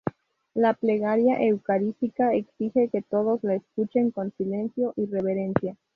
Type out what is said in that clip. La Plegaria eucarística exige que todos la escuchen con silencio y reverencia.